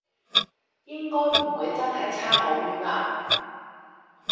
應該唔會真係差好遠啊？